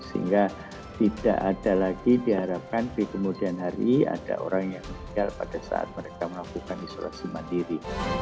sehingga tidak ada lagi diharapkan di kemudian hari ada orang yang meninggal pada saat mereka melakukan isolasi mandiri